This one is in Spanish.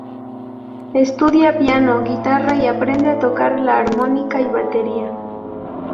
Estudia piano, guitarra y aprende a tocar la armónica y batería.